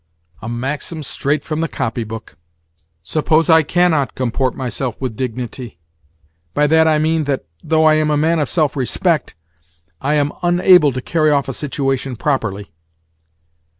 "A maxim straight from the copybook! Suppose I cannot comport myself with dignity. By that I mean that, though I am a man of self respect, I am unable to carry off a situation properly.